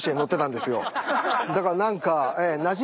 だから何か。